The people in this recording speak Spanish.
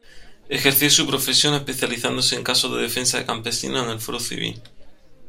Ejerció su profesión especializándose en casos de defensa de campesinos en el fuero civil.